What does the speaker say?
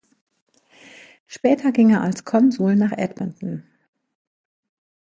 Später ging er als Konsul nach Edmonton.